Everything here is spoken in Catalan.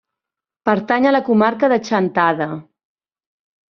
Pertany a la comarca de Chantada.